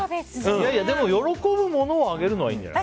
でも、喜ぶものをあげるのはいいんじゃない？